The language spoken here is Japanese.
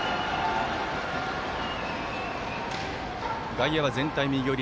外野は全体、右寄り。